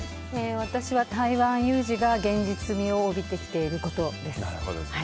私は台湾有事が現実味を帯びてきていることです。